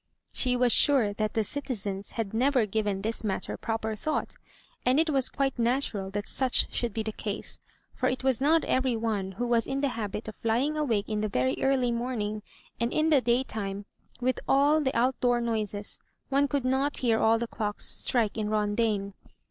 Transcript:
She was sure that the citizens had never given this matter proper thought; and it was quite natural that such should be the case, for it was not every one who was in the habit of lying awake in the very early morning; and in the daytime, with all the out door noises, one could not hear all the clocks strike in Rondaine.